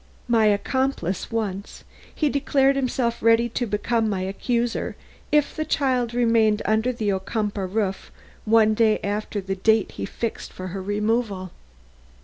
My accomplice once, he declared himself ready to become my accuser if the child remained under the Ocumpaugh roof one day after the date he fixed for her removal."